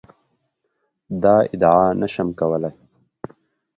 دا ادعا نه شم کولای.